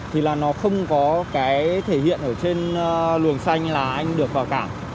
thì là nó không có cái thể hiện ở trên luồng xanh là anh được vào cảng